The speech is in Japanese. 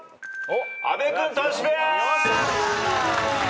阿部君トシペア！